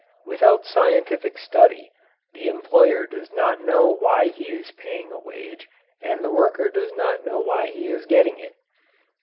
Without scientific study the employer does not know why he is paying a wage and the worker does not know why he is getting it.